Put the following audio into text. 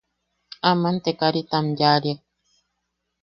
Aman te karita am yaʼariak.